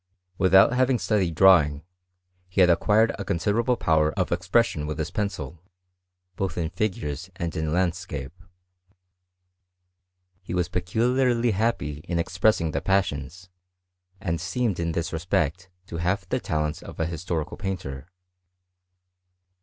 Without having studied drawing he had acquired a considerable power of expression 332 HISTORY OF CHEMISTRY. witli his pencil, both in figures and in landscape. He was peculiarly happy in expressing the passions, and seemed in this respect tohave the talents of a historicai painter.